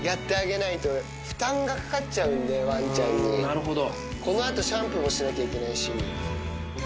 なるほど。